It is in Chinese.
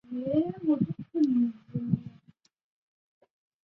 鼓在非洲黑人舞蹈音乐中起着引领舞曲节奏的重要作用。